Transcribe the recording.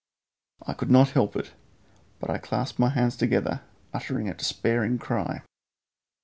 I could not help it, but clasped my hands together uttering a despairing cry.